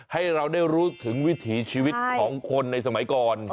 ให้เราได้รู้ถึงวิถีชีวิตของคนในสมัยก่อน